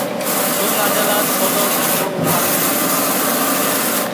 খুলনা জেলার সদর বহু মাদ্রাসা রয়েছে।